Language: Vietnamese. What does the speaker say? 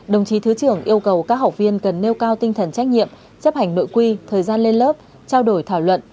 đồng chí thứ trưởng yêu cầu các học viên cần nêu cao tinh thần trách nhiệm chấp hành nội quy thời gian lên lớp trao đổi thảo luận